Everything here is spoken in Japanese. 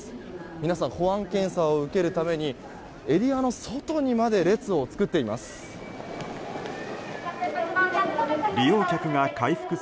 皆さん保安検査を受けるためにエリアの外にまで列を作っています。